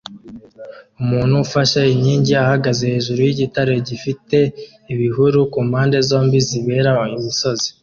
Umuntu ufashe inkingi ahagaze hejuru yigitare gifite ibihuru kumpande zombi zireba imisozi